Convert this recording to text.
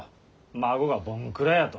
孫がぼんくらやと。